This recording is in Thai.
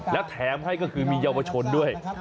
แล้วแถมให้ก็คือมีเยาวชนด้วย